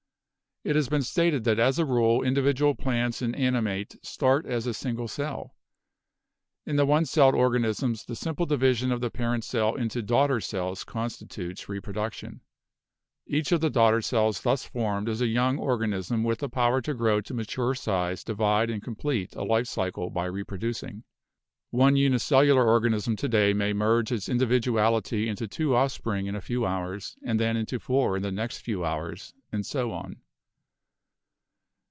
It has been stated that as a rule individual plants and ani mate start as a single cell. In the one celled organisms the simple division of the parent cell into daughter cells constitutes reproduction. Each of the daughter cells thus formed is a young organism with the power to grow to mature size, divide and complete a life cycle by reproduc ing. One unicellular organism to day may merge its in dividuality into two offspring in a few hours and then into four in the next few hours and so on.